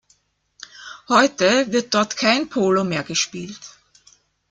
Heute wird dort kein Polo mehr gespielt.